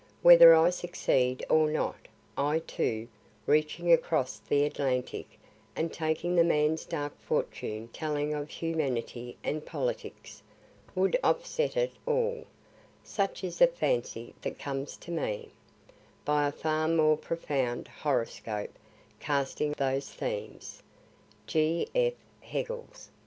Whether I succeed or no, I, too, reaching across the Atlantic and taking the man's dark fortune telling of humanity and politics, would offset it all, (such is the fancy that comes to me,) by a far more profound horoscope casting of those themes G. F. Hegel's.